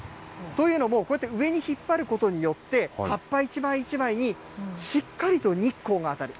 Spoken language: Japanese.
というのも、こうやって上に引っ張ることによって、葉っぱ１枚１枚にしっかりと日光が当たる。